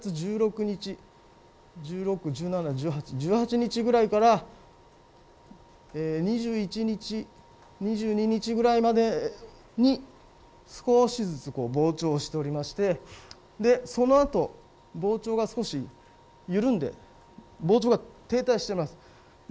ここに７月１６日、１８日ぐらいから２１日、２２日ぐらいまでに少しずつ膨張しておりましてそのあと膨張が少し緩んで膨張が停滞しています。